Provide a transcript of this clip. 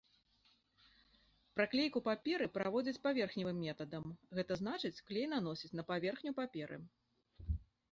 Праклейку паперы праводзяць паверхневых метадам, гэта значыць клей наносяць на паверхню паперы.